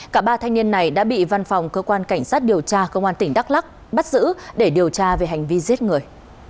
cả ba thanh niên này đã bị văn phòng cơ quan cảnh sát điều tra công an tỉnh đắk lắc bắt giữ để điều tra về hành vi giết người